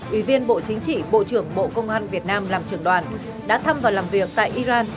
ủy viên bộ chính trị bộ trưởng bộ công an việt nam làm trưởng đoàn đã thăm và làm việc tại iran